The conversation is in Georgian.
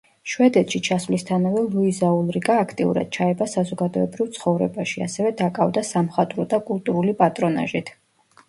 შვედეთში ჩასვლისთანავე ლუიზა ულრიკა აქტიურად ჩაება საზოგადოებრივ ცხოვრებაში, ასევე დაკავდა სამხატვრო და კულტურული პატრონაჟით.